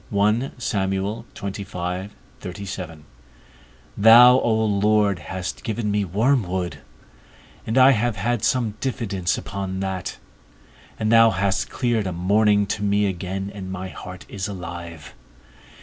Thou, O Lord, hast given me wormwood, and I have had some diffidence upon that; and thou hast cleared a morning to me again, and my heart is alive.